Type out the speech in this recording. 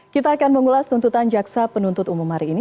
kita akan mengulas tuntutan jaksa penuntut umum hari ini